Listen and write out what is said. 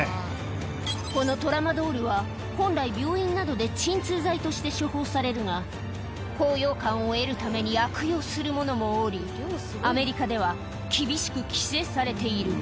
このトラマドールは、本来、病院などで鎮痛剤として処方されるが、高揚感を得るために悪用する者もおり、アメリカでは厳しく規制されている。